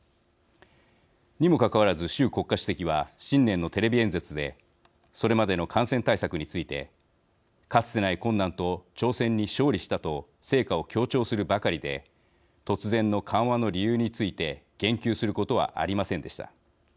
にもかかわらず、習国家主席は新年のテレビ演説でそれまでの感染対策について「かつてない困難と挑戦に勝利した」と成果を強調するばかりで突然の緩和の理由について言及することはありませんでした。